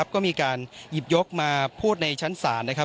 ก็มีการหยิบยกมาพูดในชั้นศาลนะครับ